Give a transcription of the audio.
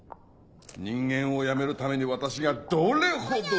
人間をやめるために私がどれほど。